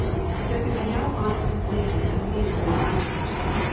"+ There can be no honest mistaking of the meaning of this language.